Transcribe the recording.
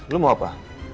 lo mau apa